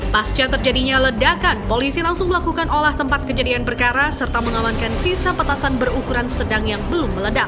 pasca terjadinya ledakan polisi langsung melakukan olah tempat kejadian perkara serta mengamankan sisa petasan berukuran sedang yang belum meledak